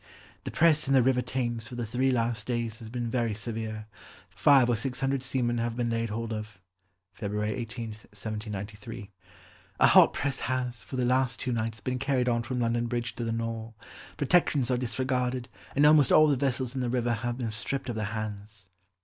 "The press in the river Thames for the three last days has been very severe. Five or six hundred seamen have been laid hold of." (February 18, 1793.) "A hot press has, for the last two nights, been carried on from London Bridge to the Nore; protections are disregarded, and almost all the vessels in the river have been stripped of their hands."